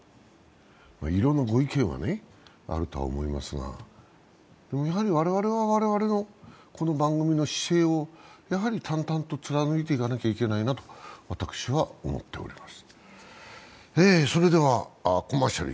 いろんなご意見はあるとは思いますが、やはり我々は我々の、この番組の姿勢を、淡々と貫いていかなきゃいけないなと、私は思っております。